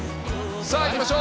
さあいきましょう。